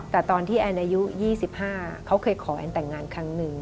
แต่ตอนที่แอนอายุ๒๕เขาเคยขอแอนแต่งงานครั้งหนึ่ง